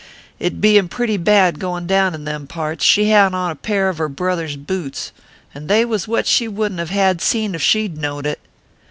It being pretty bad goin down in them parts, she had on a pair of her brother s butes, and they was what she wouldn t have had seen if she d knowed it.